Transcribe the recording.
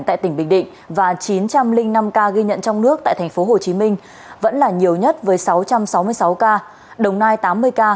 tại tỉnh bình định và chín trăm linh năm ca ghi nhận trong nước tại tp hcm vẫn là nhiều nhất với sáu trăm sáu mươi sáu ca đồng nai tám mươi ca